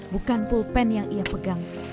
bukan pulpen yang ia pegang